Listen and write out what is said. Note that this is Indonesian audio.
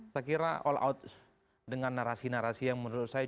saya kira all out dengan narasi narasi yang menurut saya